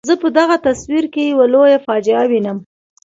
زه په دغه تصویر کې یوه لویه فاجعه وینم.